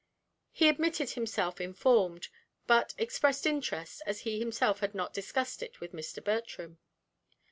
He admitted himself informed, but expressed interest, as he himself had not discussed it with Mr. Bertram.